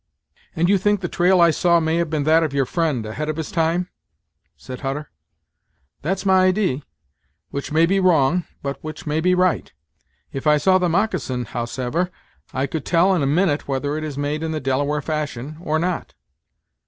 "And you think the trail I saw may have been that of your friend, ahead of his time?" said Hutter. "That's my idee, which may be wrong, but which may be right. If I saw the moccasin, howsever, I could tell, in a minute, whether it is made in the Delaware fashion, or not."